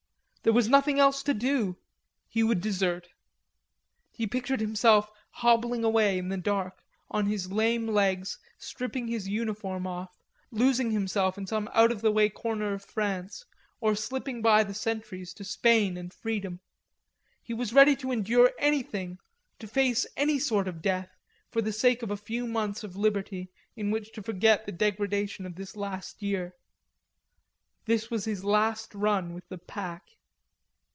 There was nothing else to do; he would desert. He pictured himself hobbling away in the dark on his lame legs, stripping his uniform off, losing himself in some out of the way corner of France, or slipping by the sentries to Spain and freedom. He was ready to endure anything, to face any sort of death, for the sake of a few months of liberty in which to forget the degradation of this last year. This was his last run with the pack.